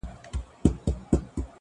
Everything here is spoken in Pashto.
• كله كله به ښكار پاته تر مابين سو,